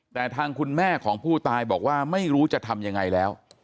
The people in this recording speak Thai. แต่ทางคุณแม่ของผู้ตายบอกว่าไม่รู้จะทำยังไงแล้ว